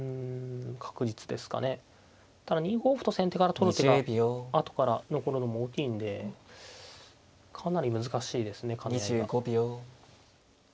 ただ２五歩と先手から取る手が後から残るのも大きいんでかなり難しいですね兼ね合いが。